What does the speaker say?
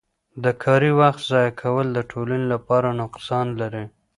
د کاري وخت ضایع کول د ټولنې لپاره نقصان لري.